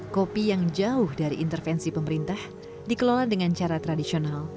kopi yang jauh dari intervensi pemerintah dikelola dengan cara tradisional